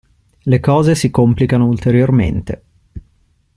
Le cose si complicano ulteriormente.